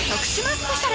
スペシャル